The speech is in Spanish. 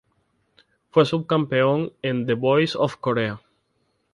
Fue subcampeona en The Voice of Korea.